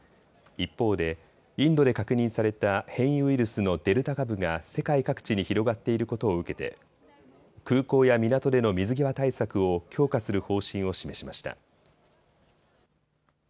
一方でインドで確認された変異ウイルスのデルタ株が世界各地に広がっていることを受けて空港や港での水際対策を強化する方針を示しました。